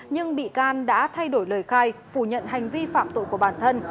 nhưng bị can đã thay đổi lời khai phủ nhận hành vi phạm tội của bản thân